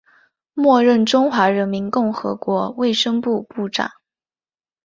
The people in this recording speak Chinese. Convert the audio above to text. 末任中华人民共和国卫生部部长。